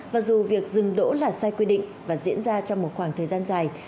và dù việc dừng đỗ là sai quy định và diễn ra trong một khoảng thời gian dài